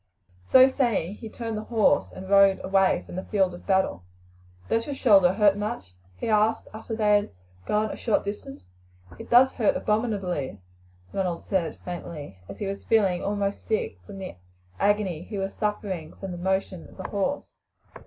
So saying he turned the horse and rode away from the field of battle. "Does your shoulder hurt much?" he asked after they had gone a short distance. "It does hurt abominably," Ronald said faintly, for he was feeling almost sick from the agony he was suffering from the motion of the horse.